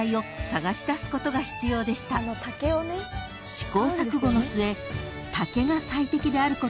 ［試行錯誤の末］